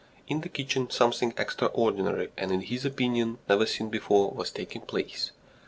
In the kitchen something extraordinary, and in his opinion never seen before, was taking place.